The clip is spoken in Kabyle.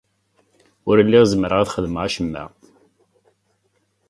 Ur lliɣ zemreɣ ad xedmeɣ acemma.